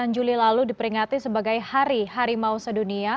sembilan juli lalu diperingati sebagai hari harimau sedunia